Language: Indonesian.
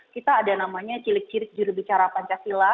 kita ada namanya cilik cirik jurubicara pancasila